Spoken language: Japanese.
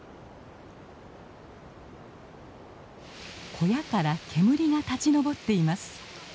小屋から煙が立ち上っています。